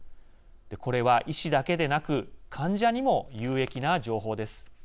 これは医師だけでなく患者にも有益な情報です。